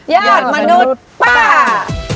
อดมนุษย์ป้า